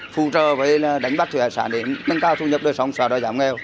phụ trợ với đánh bắt thuế sản để nâng cao thu nhập đời sống xả đòi giảm nghèo